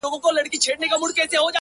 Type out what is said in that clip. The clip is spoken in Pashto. ددغه خلگو په كار ـ كار مه لره ـ